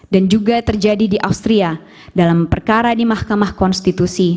dan juga terjadi di austria dalam perkara di mahkamah konstitusi